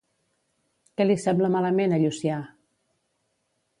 Què li sembla malament a Llucià?